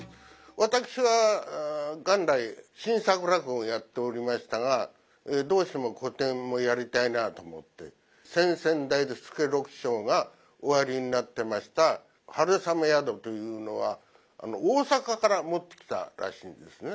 私は元来新作落語をやっておりましたがどうしても古典もやりたいなと思って先々代助六師匠がおやりになってました「春雨宿」というのは大阪から持ってきたらしいんですね。